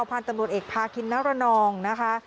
พันธุ์ตำรวจเอกพาคินนรนองนะคะ